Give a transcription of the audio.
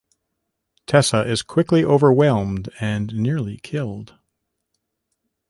Tessa is quickly overwhelmed and nearly killed.